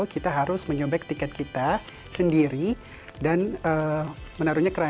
kita harus menyobek tiket kita sendiri dan menaruhnya ke rakyat